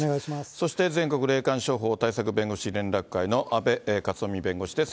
そして、全国霊感商法対策弁護士連絡会の阿部克臣弁護士です。